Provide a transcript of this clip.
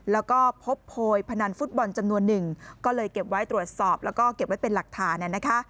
แล้วก็พบโพยพนันฟุตบอลจำนวนหนึ่งก็เลยเก็บไว้ตรวจสอบแล้วก็เก็บไว้เป็นหลักฐานนะคะ